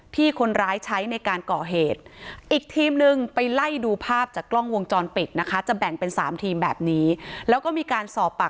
ที่คนร้ายใช้ในการก่อเหตุอีกทีมหนึ่งไปไล่ดูภาพจากกล้องวงจรปิดนะคะ